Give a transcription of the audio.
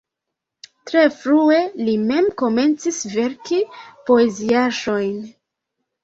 Tre frue li mem komencis verki poeziaĵojn.